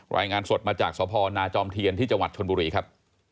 รายงานสดมาจากสพนาจอมเทียนที่จังหวัดชนบุรีครับ